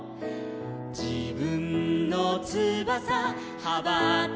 「じぶんのつばさはばたかせて」